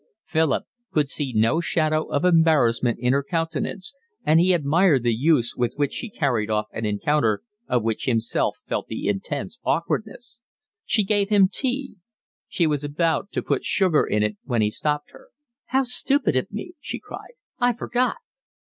Philip could see no shadow of embarrassment in her countenance, and he admired the use with which she carried off an encounter of which himself felt the intense awkwardness. She gave him tea. She was about to put sugar in it when he stopped her. "How stupid of me!" she cried. "I forgot."